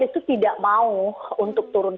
itu tidak mau untuk turun